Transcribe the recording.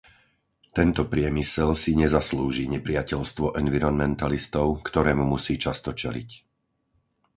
Tento priemysel si nezaslúži nepriateľstvo environmentalistov, ktorému musí často čeliť.